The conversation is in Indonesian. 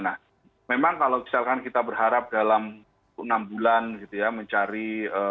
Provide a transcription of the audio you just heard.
nah memang kalau misalkan kita berharap dalam enam bulan gitu ya mencari